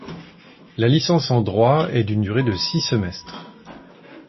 La licence en droit est d'une durée de six semestres.